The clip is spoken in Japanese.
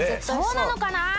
そうなのかな？